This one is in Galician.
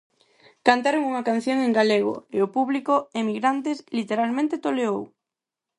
Cantaron unha canción en galego e o público, emigrantes, literalmente toleou.